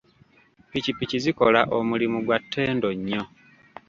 Ppikipiki zikola omulimu gwa ttendo nnyo.